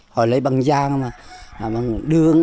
họ lấy bằng giang